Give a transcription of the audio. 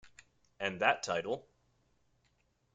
And that title ...